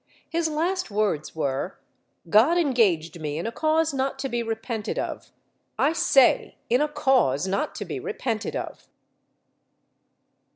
His last words were "God engaged me in a cause not to be repented of I say, in a cause not to be repented of."